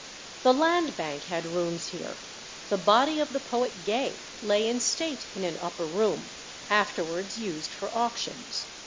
The Land Bank had rooms here. The body of the poet Gay lay in state in an upper room, afterwards used for auctions.